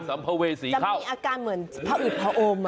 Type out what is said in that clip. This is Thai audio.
จะมีอาการเหมือนพระอุทธิ์พระโอม